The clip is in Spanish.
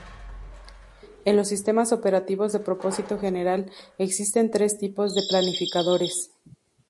En los sistemas operativos de propósito general, existen tres tipos de planificadores.